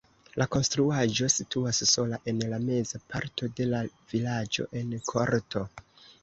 La konstruaĵo situas sola en la meza parto de la vilaĝo en korto.